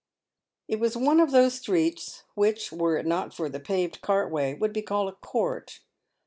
It was one of those streets which, were it not for the paved cart way, would be called a court.